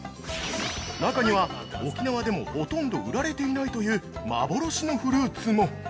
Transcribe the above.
◆中には、沖縄でもほとんど売られていないという幻のフルーツも！